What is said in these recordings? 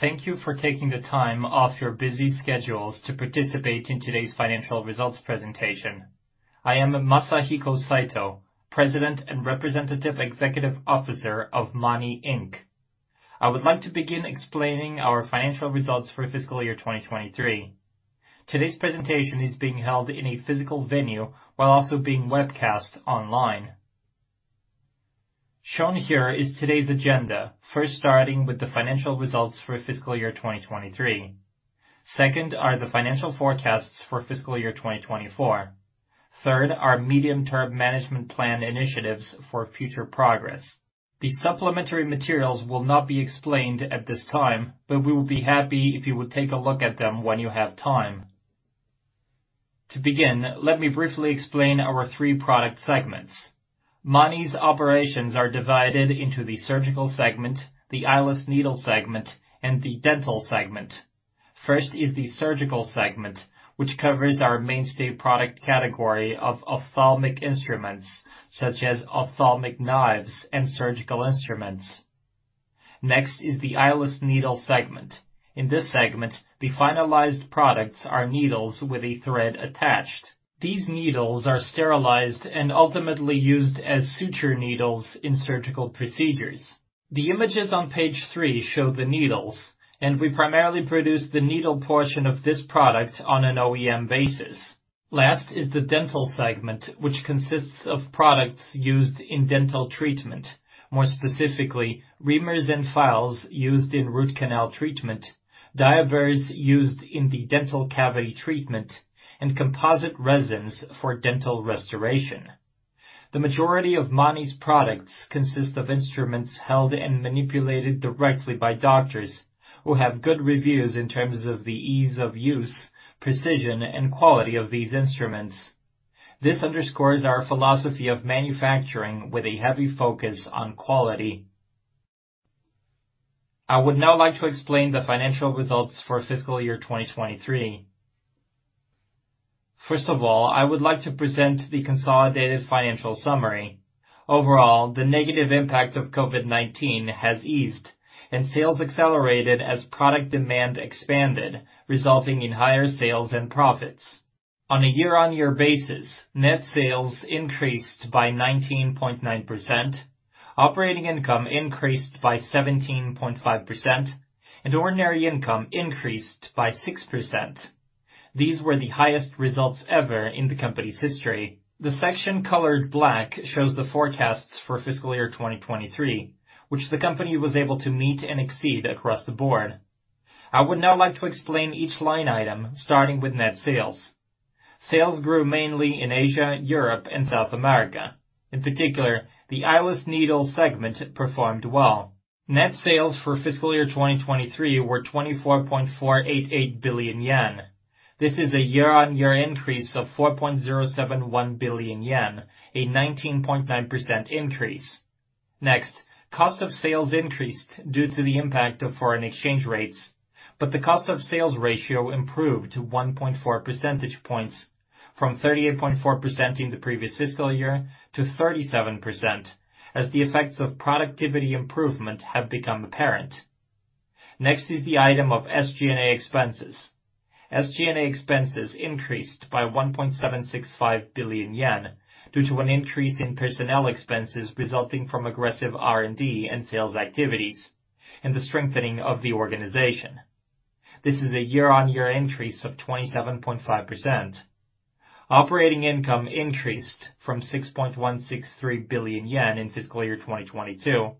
Thank you for taking the time off your busy schedules to participate in today's financial results presentation. I am Masahiko Saito, President and Representative Executive Officer of MANI, Inc. I would like to begin explaining our financial results for FY23. Today's presentation is being held in a physical venue while also being webcast online. Shown here is today's agenda. First, starting with the financial results for FY23. Second are the financial forecasts for FY24. Third, are medium-term management plan initiatives for future progress. The supplementary materials will not be explained at this time, but we will be happy if you would take a look at them when you have time. To begin, let me briefly explain our three product segments. MANI's operations are divided into the surgical segment, the eyeless needle segment, and the dental segment. First is the surgical segment, which covers our mainstay product category of ophthalmic instruments such as ophthalmic knives and surgical instruments. Next is the eyeless needle segment. In this segment, the finalized products are needles with a thread attached. These needles are sterilized and ultimately used as suture needles in surgical procedures. The images on page three show the needles, and we primarily produce the needle portion of this product on an OEM basis. Last is the dental segment, which consists of products used in dental treatment. More specifically, reamers and files used in root canal treatment, DIA-BURS used in the dental cavity treatment, and composite resins for dental restoration. The majority of MANI's products consist of instruments held and manipulated directly by doctors who have good reviews in terms of the ease of use, precision, and quality of these instruments. This underscores our philosophy of manufacturing with a heavy focus on quality. I would now like to explain the financial results for FY23. First of all, I would like to present the consolidated financial summary. Overall, the negative impact of COVID-19 has eased, and sales accelerated as product demand expanded, resulting in higher sales and profits. On a year-on-year basis, net sales increased by 19.9%, operating income increased by 17.5%, and ordinary income increased by 6%. These were the highest results ever in the company's history. The section colored black shows the forecasts for FY23, which the company was able to meet and exceed across the board. I would now like to explain each line item, starting with net sales. Sales grew mainly in Asia, Europe, and South America. In particular, the eyeless needle segment performed well. Net sales for FY23 were 24.488 billion yen. This is a year-on-year increase of 4.071 billion yen, a 19.9% increase. Next, cost of sales increased due to the impact of foreign exchange rates, but the cost of sales ratio improved to 1.4 percentage points from 38.4% in the previous fiscal year to 37%, as the effects of productivity improvement have become apparent. Next is the item of SG&A expenses. SG&A expenses increased by 1.765 billion yen due to an increase in personnel expenses resulting from aggressive R&D and sales activities and the strengthening of the organization. This is a year-on-year increase of 27.5%. Operating income increased from 6.163 billion yen in FY22 to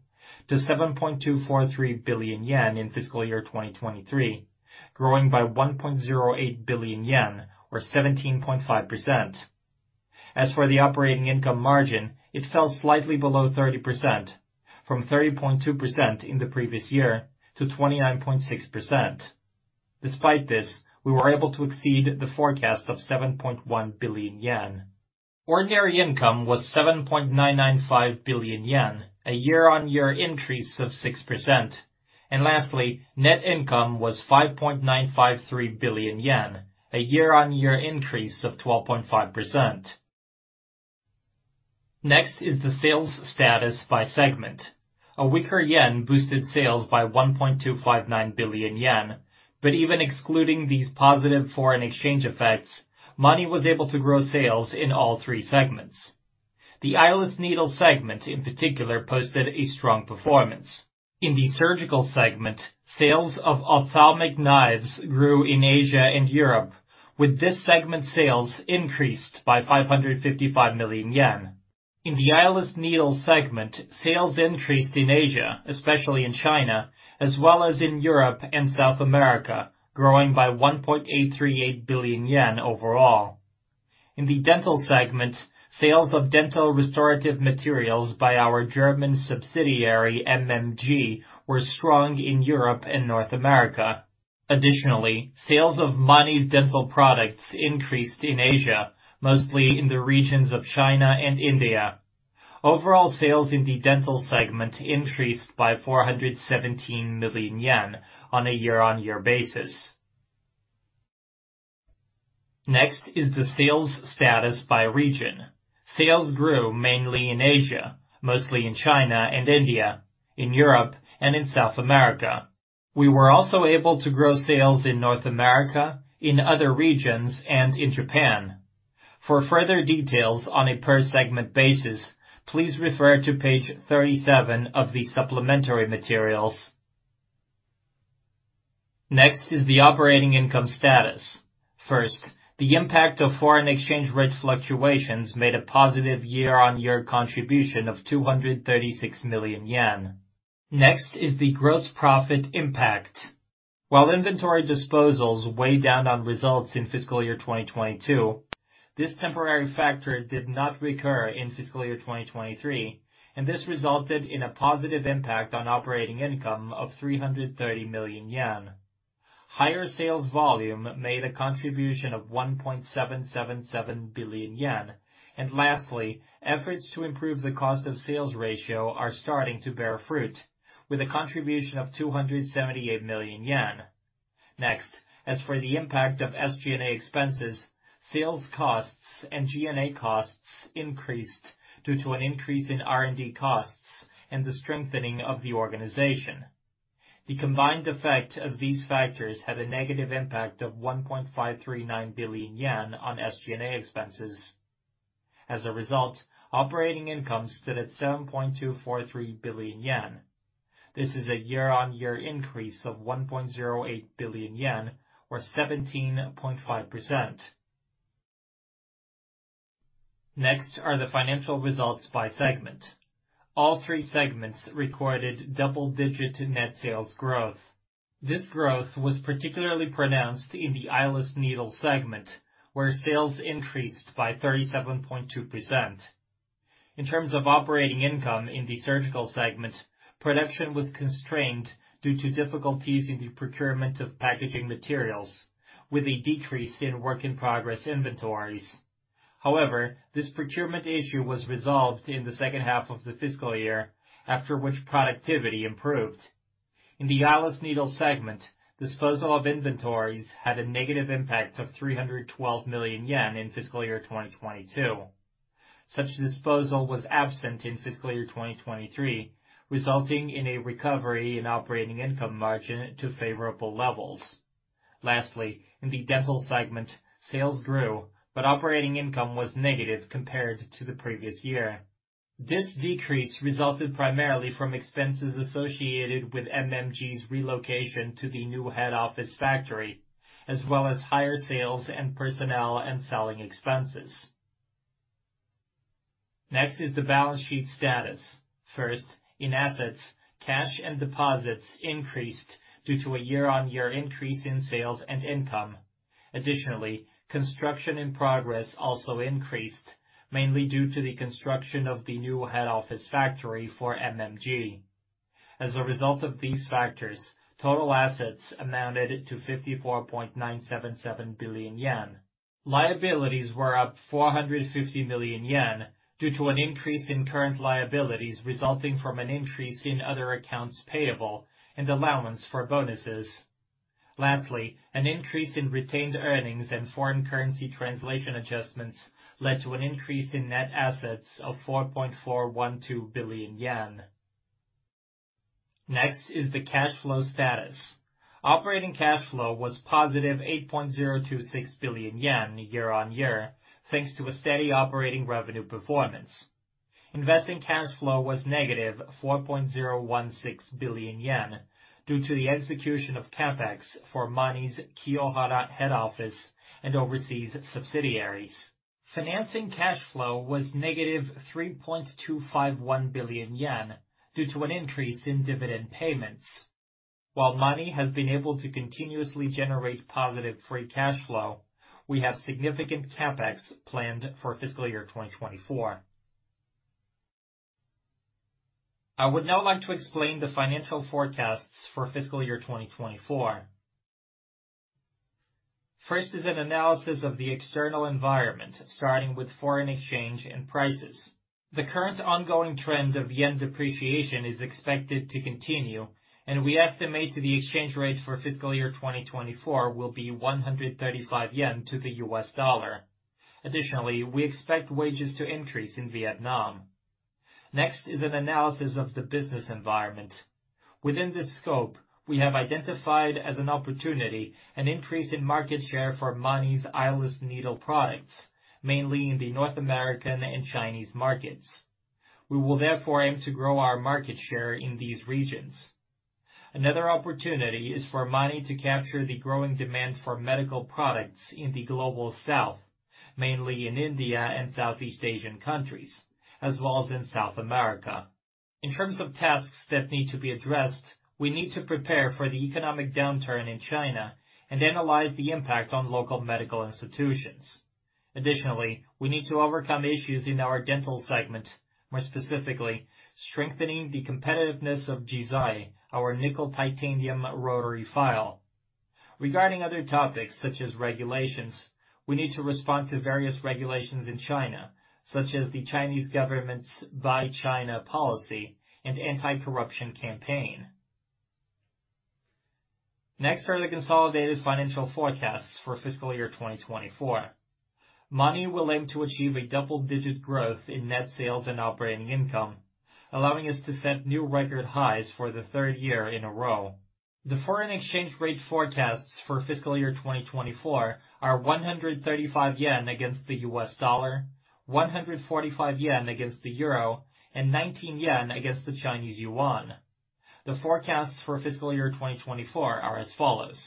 7.243 billion yen in FY23, growing by 1.08 billion yen or 17.5%. As for the operating income margin, it fell slightly below 30%, from 30.2% in the previous year to 29.6%. Despite this, we were able to exceed the forecast of 7.1 billion yen. Ordinary income was 7.995 billion yen, a year-on-year increase of 6%. Lastly, net income was 5.953 billion yen, a year-on-year increase of 12.5%. Next is the sales status by segment. A weaker yen boosted sales by 1.259 billion yen, but even excluding these positive foreign exchange effects, MANI was able to grow sales in all three segments. The eyeless needle segment, in particular, posted a strong performance. In the surgical segment, sales of ophthalmic knives grew in Asia and Europe, with this segment's sales increased by 555 million yen. In the eyeless needle segment, sales increased in Asia, especially in China, as well as in Europe and South America, growing by 1.838 billion yen overall. In the dental segment, sales of dental restorative materials by our German subsidiary, MMG, were strong in Europe and North America. Additionally, sales of MANI's dental products increased in Asia, mostly in the regions of China and India. Overall, sales in the dental segment increased by 417 million yen on a year-on-year basis. Next is the sales status by region. Sales grew mainly in Asia, mostly in China and India, in Europe, and in South America. We were also able to grow sales in North America, in other regions, and in Japan. For further details on a per segment basis, please refer to page 37 of the supplementary materials. Next is the operating income status. First, the impact of foreign exchange rate fluctuations made a positive year-on-year contribution of 236 million yen. Next is the gross profit impact. While inventory disposals weighed down on results in FY22, this temporary factor did not recur in FY23, and this resulted in a positive impact on operating income of 330 million yen. Higher sales volume made a contribution of 1.777 billion yen. Lastly, efforts to improve the cost of sales ratio are starting to bear fruit, with a contribution of 278 million yen. Next, as for the impact of SG&A expenses, sales costs and G&A costs increased due to an increase in R&D costs and the strengthening of the organization. The combined effect of these factors had a negative impact of 1.539 billion yen on SG&A expenses. As a result, operating income stood at 7.243 billion yen. This is a year-on-year increase of 1.08 billion yen, or 17.5%. Next are the financial results by segment. All three segments recorded double-digit net sales growth. This growth was particularly pronounced in the eyeless needle segment, where sales increased by 37.2%. In terms of operating income in the surgical segment, production was constrained due to difficulties in the procurement of packaging materials, with a decrease in work-in-progress inventories. However, this procurement issue was resolved in the second half of the fiscal year, after which productivity improved. In the eyeless needle segment, disposal of inventories had a negative impact of 312 million yen in FY22. Such disposal was absent in FY23, resulting in a recovery in operating income margin to favorable levels. Lastly, in the dental segment, sales grew, but operating income was negative compared to the previous year. This decrease resulted primarily from expenses associated with MMG's relocation to the new head office factory, as well as higher sales and personnel and selling expenses. Next is the balance sheet status. First, in assets, cash and deposits increased due to a year-on-year increase in sales and income. Additionally, construction in progress also increased, mainly due to the construction of the new head office factory for MMG. As a result of these factors, total assets amounted to 54.977 billion yen. Liabilities were up 450 million yen due to an increase in current liabilities, resulting from an increase in other accounts payable and allowance for bonuses. Lastly, an increase in retained earnings and foreign currency translation adjustments led to an increase in net assets of 4.412 billion yen. Next is the cash flow status. Operating cash flow was +8.026 billion yen year-on-year, thanks to a steady operating revenue performance. Investing cash flow was -4.016 billion yen due to the execution of CapEx for MANI's Kiyohara head office and overseas subsidiaries. Financing cash flow was -3.251 billion yen due to an increase in dividend payments. While MANI has been able to continuously generate positive free cash flow, we have significant CapEx planned for FY24. I would now like to explain the financial forecasts for FY24. First is an analysis of the external environment, starting with foreign exchange and prices. The current ongoing trend of yen depreciation is expected to continue, and we estimate the exchange rate for FY24 will be 135 yen to the US dollar. Additionally, we expect wages to increase in Vietnam. Next is an analysis of the business environment. Within this scope, we have identified as an opportunity an increase in market share for MANI's Eyeless Needle products, mainly in the North American and Chinese markets. We will therefore aim to grow our market share in these regions. Another opportunity is for MANI to capture the growing demand for medical products in the Global South, mainly in India and Southeast Asian countries, as well as in South America. In terms of tasks that need to be addressed, we need to prepare for the economic downturn in China and analyze the impact on local medical institutions. Additionally, we need to overcome issues in our dental segment, more specifically, strengthening the competitiveness of JIZAI, our nickel titanium rotary file. Regarding other topics such as regulations, we need to respond to various regulations in China, such as the Chinese government's Buy China policy and anti-corruption campaign. Next are the consolidated financial forecasts for FY24. MANI will aim to achieve a double-digit growth in net sales and operating income, allowing us to set new record highs for the third year in a row. The foreign exchange rate forecasts for FY24 are 135 JPY against the USD, 145 JPY against the EUR, and 19 JPY against the CNY. The forecasts for FY24 are as follows: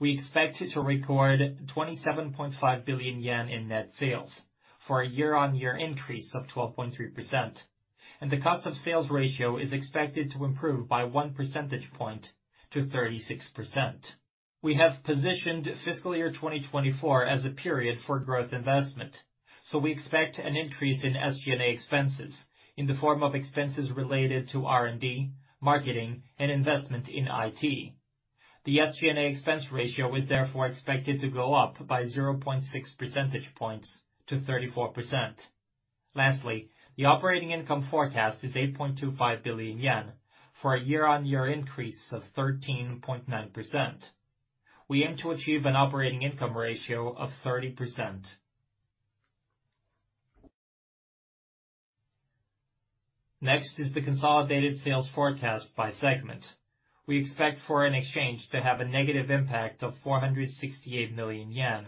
We expect to record 27.5 billion yen in net sales for a year-on-year increase of 12.3%, and the cost of sales ratio is expected to improve by one percentage point to 36%. We have positioned FY24 as a period for growth investment, so we expect an increase in SG&A expenses in the form of expenses related to R&D, marketing, and investment in IT. The SG&A expense ratio is therefore expected to go up by 0.6 percentage points to 34%. Lastly, the operating income forecast is 8.25 billion yen for a year-on-year increase of 13.9%. We aim to achieve an operating income ratio of 30%. Next is the consolidated sales forecast by segment. We expect foreign exchange to have a negative impact of 468 million yen.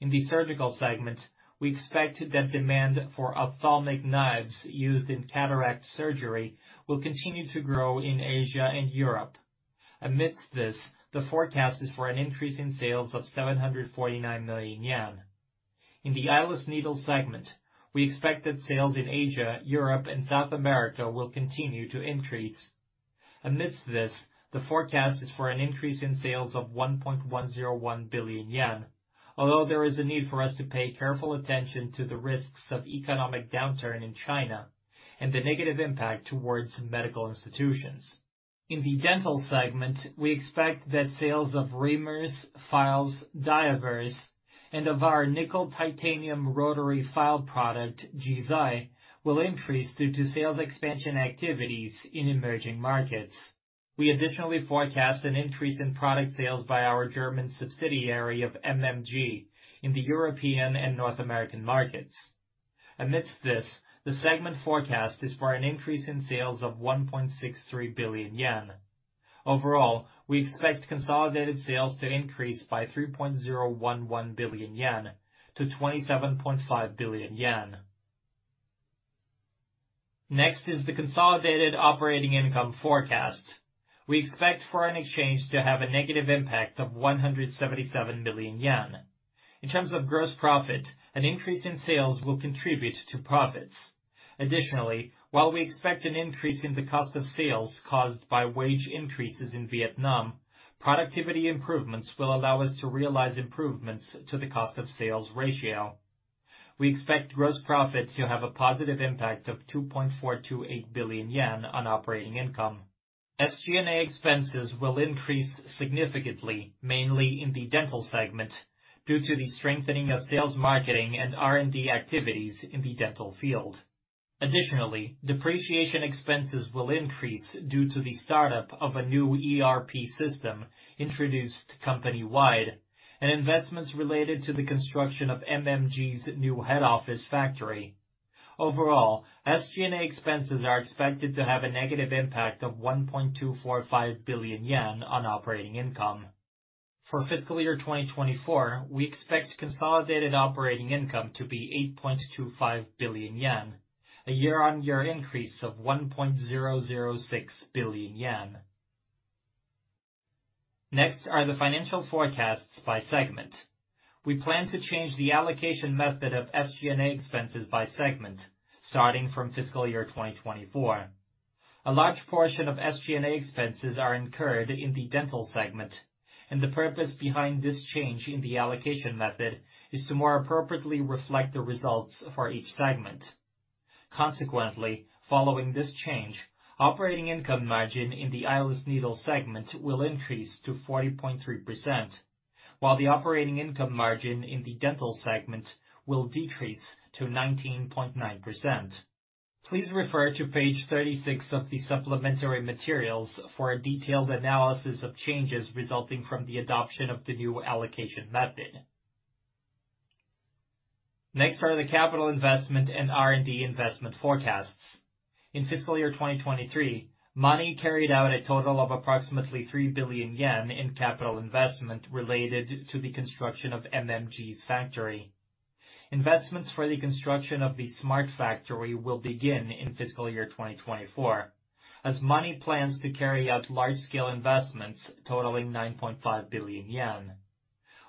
In the surgical segment, we expect that demand for ophthalmic knives used in cataract surgery will continue to grow in Asia and Europe. Amidst this, the forecast is for an increase in sales of 749 million yen. In the Eyeless Needle segment, we expect that sales in Asia, Europe, and South America will continue to increase. Amidst this, the forecast is for an increase in sales of 1.101 billion yen, although there is a need for us to pay careful attention to the risks of economic downturn in China and the negative impact towards medical institutions. In the dental segment, we expect that sales of reamers, files, DIA-BURS, and of our nickel titanium rotary file product, JIZAI, will increase due to sales expansion activities in emerging markets. We additionally forecast an increase in product sales by our German subsidiary of MMG in the European and North American markets. Amidst this, the segment forecast is for an increase in sales of 1.63 billion yen. Overall, we expect consolidated sales to increase by 3.011 billion yen to 27.5 billion yen. Next is the consolidated operating income forecast. We expect foreign exchange to have a negative impact of 177 million yen. In terms of gross profit, an increase in sales will contribute to profits. Additionally, while we expect an increase in the cost of sales caused by wage increases in Vietnam, productivity improvements will allow us to realize improvements to the cost of sales ratio. We expect gross profits to have a positive impact of 2.428 billion yen on operating income. SG&A expenses will increase significantly, mainly in the dental segment, due to the strengthening of sales, marketing, and R&D activities in the dental field. Additionally, depreciation expenses will increase due to the startup of a new ERP system introduced company-wide and investments related to the construction of MMG's new head office factory. Overall, SG&A expenses are expected to have a negative impact of 1.245 billion yen on operating income. For FY24, we expect consolidated operating income to be 8.25 billion yen, a year-on-year increase of 1.006 billion yen. Next are the financial forecasts by segment. We plan to change the allocation method of SG&A expenses by segment starting from FY24. A large portion of SG&A expenses are incurred in the dental segment, and the purpose behind this change in the allocation method is to more appropriately reflect the results for each segment. Consequently, following this change, operating income margin in the eyeless needle segment will increase to 40.3%, while the operating income margin in the dental segment will decrease to 19.9%. Please refer to page 36 of the supplementary materials for a detailed analysis of changes resulting from the adoption of the new allocation method. Next are the capital investment and R&D investment forecasts. In FY23, MANI carried out a total of approximately 3 billion yen in capital investment related to the construction of MMG's factory. Investments for the construction of the smart factory will begin in FY24, as MANI plans to carry out large-scale investments totaling 9.5 billion yen.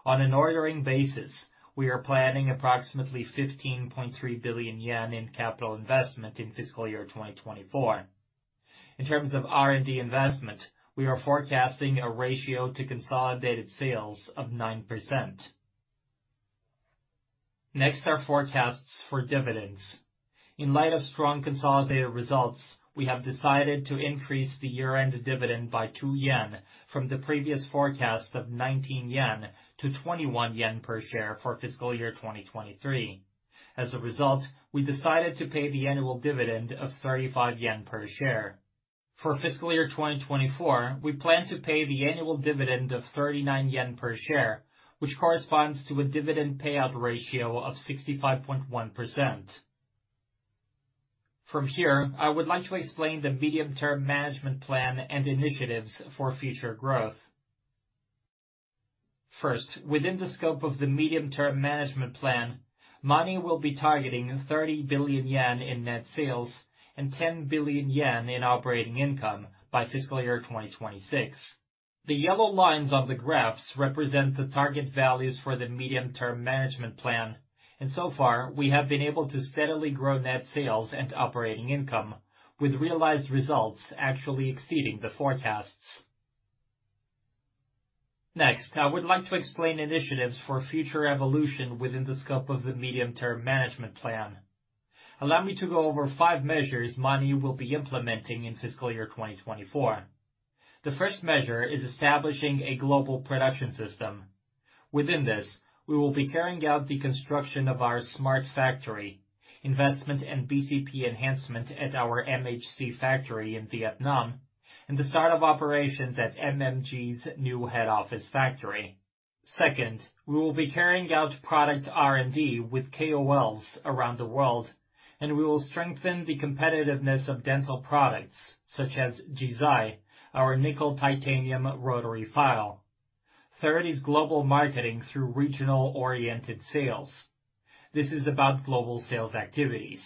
On an ordering basis, we are planning approximately 15.3 billion yen in capital investment in FY24. In terms of R&D investment, we are forecasting a ratio to consolidated sales of 9%. Next, our forecasts for dividends. In light of strong consolidated results, we have decided to increase the year-end dividend by 2 yen from the previous forecast of 19 yen to 21 yen per share for FY23. As a result, we decided to pay the annual dividend of 35 yen per share for FY24, we plan to pay the annual dividend of 39 yen per share, which corresponds to a dividend payout ratio of 65.1%. From here, I would like to explain the medium-term management plan and initiatives for future growth. First, within the scope of the medium-term management plan, MANI will be targeting 30 billion yen in net sales and 10 billion yen in operating income by FY26. The yellow lines on the graphs represent the target values for the medium-term management plan, and so far, we have been able to steadily grow net sales and operating income, with realized results actually exceeding the forecasts. Next, I would like to explain initiatives for future evolution within the scope of the medium-term management plan. Allow me to go over five measures MANI will be implementing in FY24. The first measure is establishing a global production system. Within this, we will be carrying out the construction of our smart factory, investment and BCP enhancement at our MHC factory in Vietnam, and the start of operations at MMG's new head office factory. Second, we will be carrying out product R&D with KOLs around the world, and we will strengthen the competitiveness of dental products such as JIZAI, our nickel titanium rotary file. Third is global marketing through regional-oriented sales. This is about global sales activities.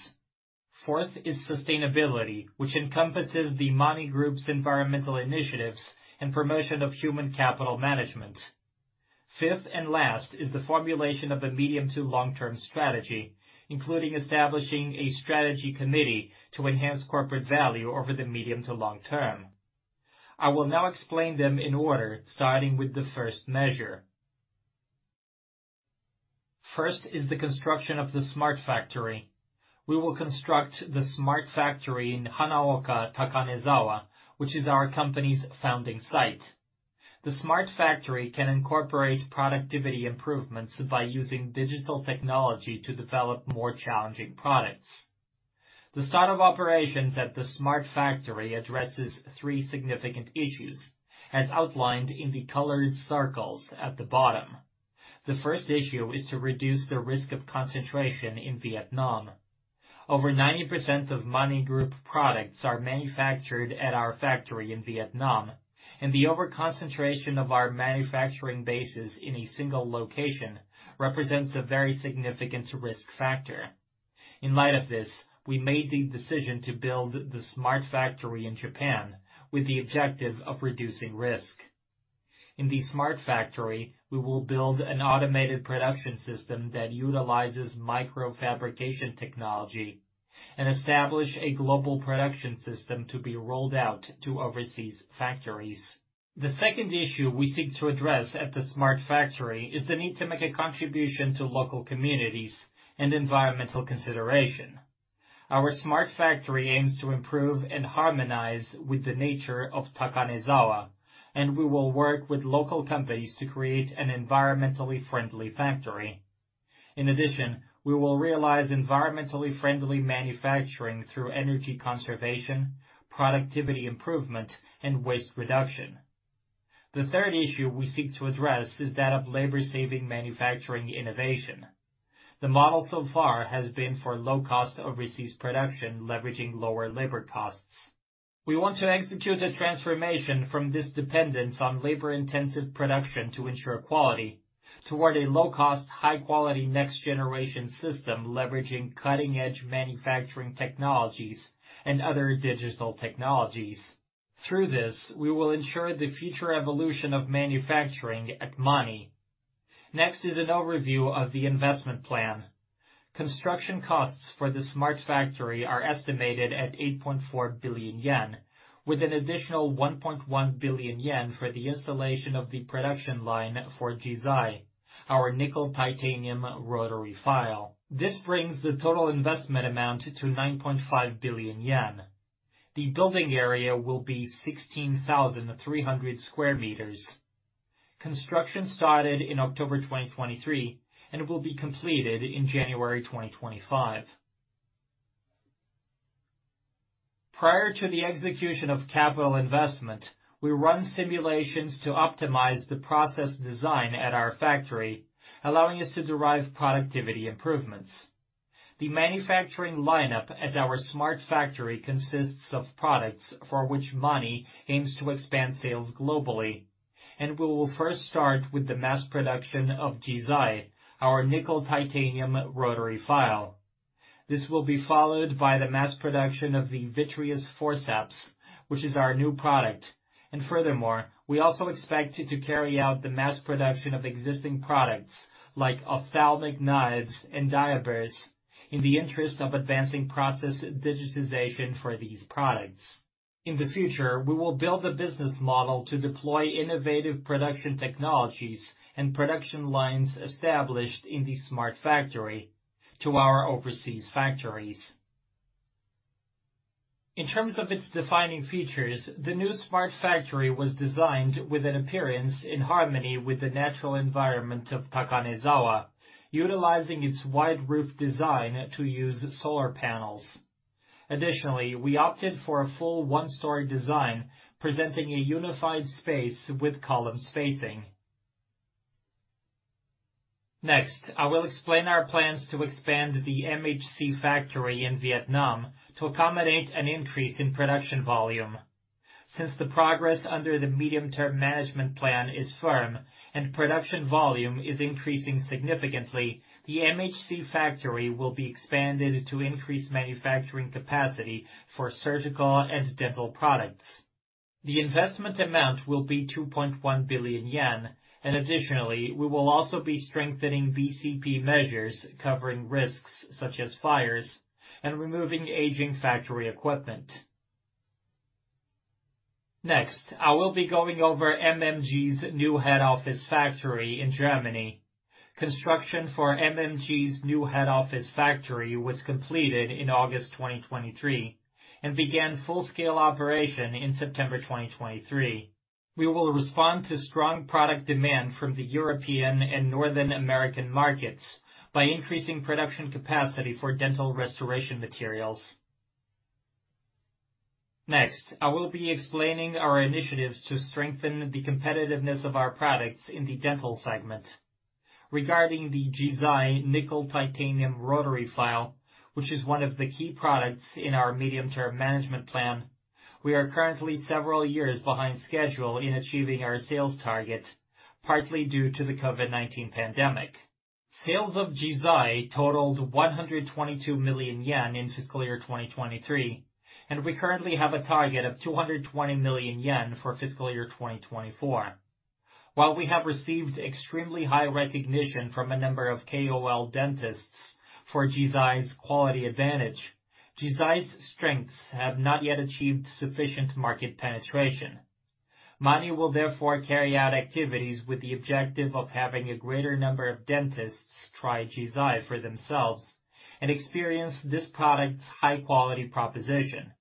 Fourth is sustainability, which encompasses the MANI Group's environmental initiatives and promotion of human capital management. Fifth and last is the formulation of a medium-to-long-term strategy, including establishing a strategy committee to enhance corporate value over the medium to long term. I will now explain them in order, starting with the first measure. First is the construction of the smart factory. We will construct the smart factory in Hanaoka, Takanezawa, which is our company's founding site. The smart factory can incorporate productivity improvements by using digital technology to develop more challenging products. The start of operations at the smart factory addresses three significant issues, as outlined in the colored circles at the bottom. The first issue is to reduce the risk of concentration in Vietnam. Over 90% of MANI Group products are manufactured at our factory in Vietnam, and the overconcentration of our manufacturing bases in a single location represents a very significant risk factor. In light of this, we made the decision to build the smart factory in Japan with the objective of reducing risk. In the smart factory, we will build an automated production system that utilizes microfabrication technology and establish a global production system to be rolled out to overseas factories. The second issue we seek to address at the smart factory is the need to make a contribution to local communities and environmental consideration. Our smart factory aims to improve and harmonize with the nature of Takanezawa, and we will work with local companies to create an environmentally friendly factory. In addition, we will realize environmentally friendly manufacturing through energy conservation, productivity improvement, and waste reduction. The third issue we seek to address is that of labor-saving manufacturing innovation. The model so far has been for low-cost overseas production, leveraging lower labor costs. We want to execute a transformation from this dependence on labor-intensive production to ensure quality toward a low-cost, high-quality next-generation system, leveraging cutting-edge manufacturing technologies and other digital technologies. Through this, we will ensure the future evolution of manufacturing at MANI. Next is an overview of the investment plan. Construction costs for the smart factory are estimated at 8.4 billion yen, with an additional 1.1 billion yen for the installation of the production line for G-Zai, our nickel titanium rotary file. This brings the total investment amount to 9.5 billion yen. The building area will be 16,300 square meters. Construction started in October 2023 and will be completed in January 2025. Prior to the execution of capital investment, we run simulations to optimize the process design at our factory, allowing us to derive productivity improvements. The manufacturing lineup at our smart factory consists of products for which MANI aims to expand sales globally, and we will first start with the mass production of JIZAI, our nickel titanium rotary file. This will be followed by the mass production of the Vitreous Forceps, which is our new product. Furthermore, we also expect to carry out the mass production of existing products like ophthalmic knives and DIA-BURS in the interest of advancing process digitization for these products. In the future, we will build a business model to deploy innovative production technologies and production lines established in the smart factory to our overseas factories. In terms of its defining features, the new smart factory was designed with an appearance in harmony with the natural environment of Takanezawa, utilizing its wide roof design to use solar panels. Additionally, we opted for a full one-story design, presenting a unified space with column spacing. Next, I will explain our plans to expand the MHC factory in Vietnam to accommodate an increase in production volume. Since the progress under the medium-term management plan is firm and production volume is increasing significantly, the MHC factory will be expanded to increase manufacturing capacity for surgical and dental products. The investment amount will be 2.1 billion yen, and additionally, we will also be strengthening BCP measures, covering risks such as fires and removing aging factory equipment. Next, I will be going over MMG's new head office factory in Germany. Construction for MMG's new head office factory was completed in August 2023 and began full-scale operation in September 2023. We will respond to strong product demand from the European and North American markets by increasing production capacity for dental restoration materials. Next, I will be explaining our initiatives to strengthen the competitiveness of our products in the dental segment. Regarding the JIZAI nickel titanium rotary file, which is one of the key products in our medium-term management plan, we are currently several years behind schedule in achieving our sales target, partly due to the COVID-19 pandemic. Sales of JIZAI totaled 122 million yen in FY23, and we currently have a target of 220 million yen for FY24. While we have received extremely high recognition from a number of KOL dentists for JIZAI's quality advantage, JIZAI's strengths have not yet achieved sufficient market penetration. MANI will therefore carry out activities with the objective of having a greater number of dentists try JIZAI for themselves and experience this product's high-quality proposition.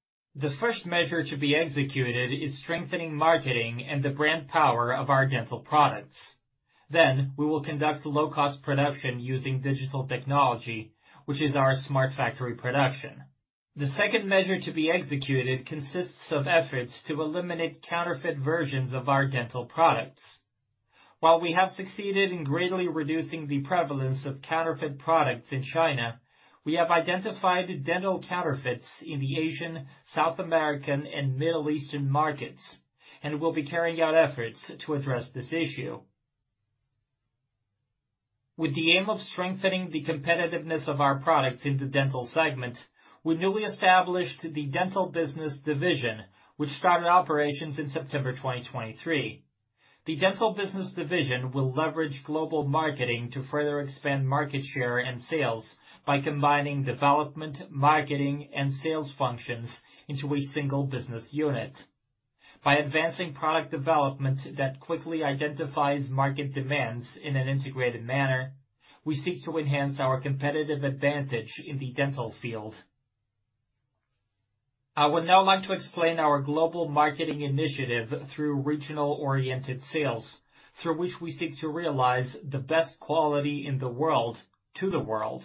The first measure to be executed is strengthening marketing and the brand power of our dental products. Then, we will conduct low-cost production using digital technology, which is our smart factory production. The second measure to be executed consists of efforts to eliminate counterfeit versions of our dental products. While we have succeeded in greatly reducing the prevalence of counterfeit products in China, we have identified dental counterfeits in the Asian, South American, and Middle Eastern markets and will be carrying out efforts to address this issue. With the aim of strengthening the competitiveness of our products in the dental segment, we newly established the Dental Business Division, which started operations in September 2023. The Dental Business Division will leverage global marketing to further expand market share and sales by combining development, marketing, and sales functions into a single business unit. By advancing product development that quickly identifies market demands in an integrated manner, we seek to enhance our competitive advantage in the dental field. I would now like to explain our global marketing initiative through regional-oriented sales, through which we seek to realize the best quality in the world to the world.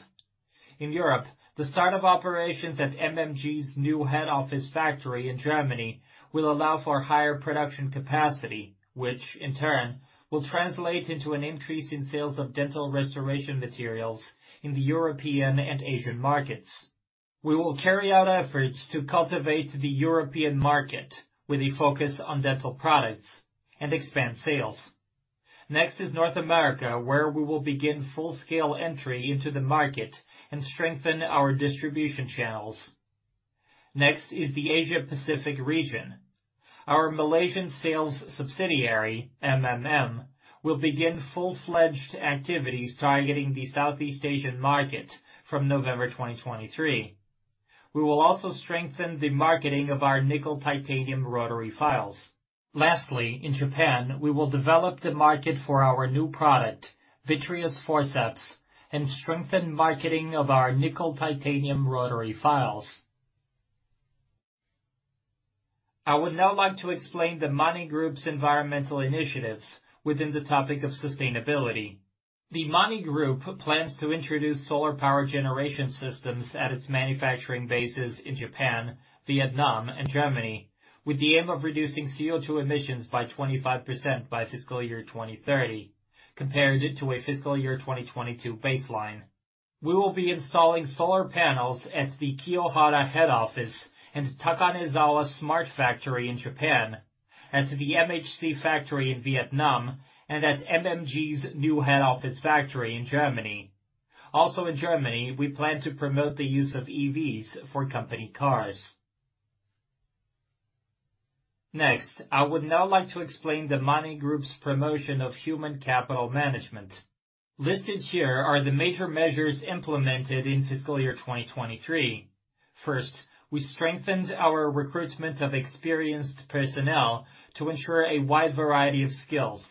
In Europe, the start of operations at MMG's new head office factory in Germany will allow for higher production capacity, which in turn will translate into an increase in sales of dental restoration materials in the European and Asian markets. We will carry out efforts to cultivate the European market with a focus on dental products and expand sales. Next is North America, where we will begin full-scale entry into the market and strengthen our distribution channels. Next is the Asia Pacific region. Our Malaysian sales subsidiary, MMM, will begin full-fledged activities targeting the Southeast Asian market from November 2023. We will also strengthen the marketing of our nickel titanium rotary files. Lastly, in Japan, we will develop the market for our new product, vitreous forceps, and strengthen marketing of our nickel titanium rotary files. I would now like to explain the MANI Group's environmental initiatives within the topic of sustainability. The MANI Group plans to introduce solar power generation systems at its manufacturing bases in Japan, Vietnam, and Germany, with the aim of reducing CO2 emissions by 25% by FY30, compared to a FY22 baseline. We will be installing solar panels at the Kiyohara head office and Takanezawa Smart Factory in Japan, at the MHC factory in Vietnam, and at MMG's new head office factory in Germany. Also in Germany, we plan to promote the use of EVs for company cars. Next, I would now like to explain the MANI Group's promotion of human capital management. Listed here are the major measures implemented in FY23. First, we strengthened our recruitment of experienced personnel to ensure a wide variety of skills.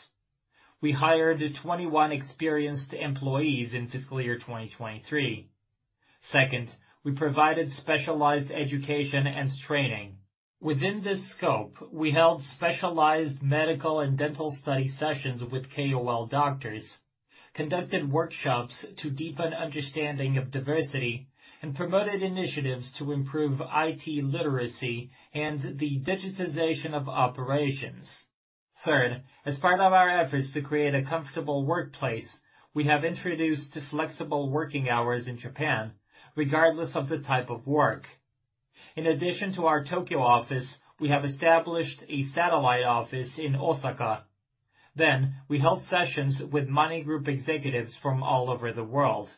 We hired 21 experienced employees in FY23. Second, we provided specialized education and training. Within this scope, we held specialized medical and dental study sessions with KOL doctors, conducted workshops to deepen understanding of diversity, and promoted initiatives to improve IT literacy and the digitization of operations. Third, as part of our efforts to create a comfortable workplace, we have introduced flexible working hours in Japan, regardless of the type of work. In addition to our Tokyo office, we have established a satellite office in Osaka. Then, we held sessions with MANI Group executives from all over the world.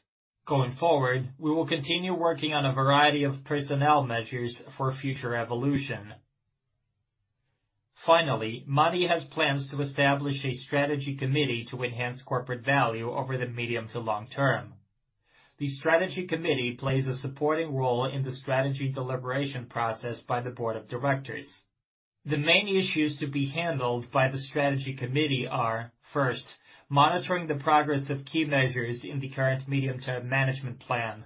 Going forward, we will continue working on a variety of personnel measures for future evolution. Finally, MANI has plans to establish a strategy committee to enhance corporate value over the medium to long term. The strategy committee plays a supporting role in the strategy deliberation process by the board of directors. The main issues to be handled by the strategy committee are, first, monitoring the progress of key measures in the current Medium Term Management Plan.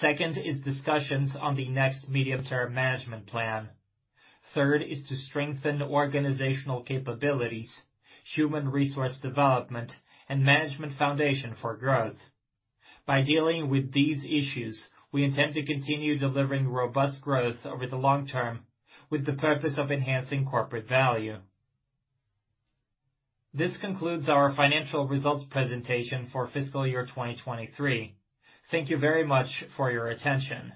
Second is discussions on the next Medium Term Management Plan. Third is to strengthen organizational capabilities, human resource development, and management foundation for growth. By dealing with these issues, we intend to continue delivering robust growth over the long term with the purpose of enhancing corporate value. This concludes our financial results presentation for FY23. Thank you very much for your attention.